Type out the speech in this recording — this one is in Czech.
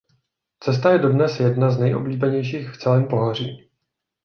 Cesta je dodnes jedna z nejoblíbenějších v celém pohoří.